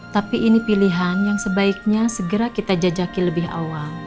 tapi ini pilihan yang sebaiknya segera kita jajaki lebih awal